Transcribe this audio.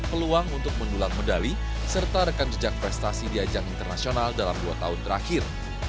peluang untuk mendulat medali serta rekan jejak prestasi diajak internasional dalam dua tahun terakhir